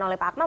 oleh pak akmal